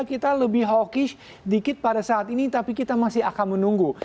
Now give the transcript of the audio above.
kita lebih hawkish dikit pada saat ini tapi kita masih akan menunggu